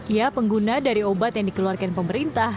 ia pengguna dari obat yang dikeluarkan pemerintah